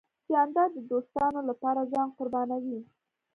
جانداد د دوستانو له پاره ځان قربانوي .